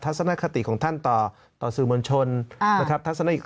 ทัศนคติของท่านต่อสื่อมนชนนะครับ